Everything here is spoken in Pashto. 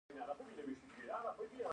افغانستان د غزني له پلوه متنوع دی.